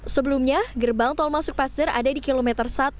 sebelumnya gerbang tol masuk paster ada di kilometer satu